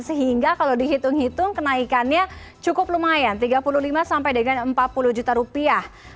sehingga kalau dihitung hitung kenaikannya cukup lumayan tiga puluh lima sampai dengan empat puluh juta rupiah